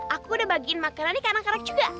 aku udah bagiin makanan di kanak kanak juga